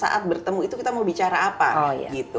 saat bertemu itu kita mau bicara apa gitu